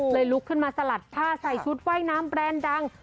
ลุกขึ้นมาสลัดผ้าใส่ชุดว่ายน้ำแบรนด์ดัง